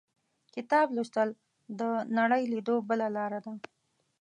• کتاب لوستل، د نړۍ لیدو بله لاره ده.